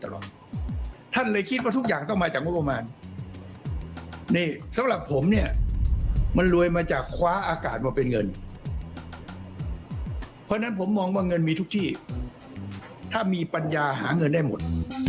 และมันไม่ให้เอามาหาเงินได้หมด